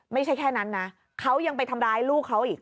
ไม่ใช่แค่นั้นนะเขายังไปทำร้ายลูกเขาอีก